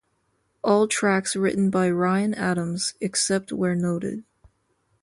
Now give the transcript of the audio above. All tracks written by Ryan Adams, except where noted.